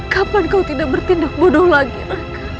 kapan kau tidak bertindak bodoh lagi mereka